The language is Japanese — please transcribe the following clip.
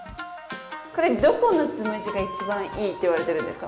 これどこのつむじが一番いいって言われてるんですか？